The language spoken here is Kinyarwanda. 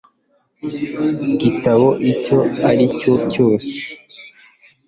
gitabo icyo ari cyo cyose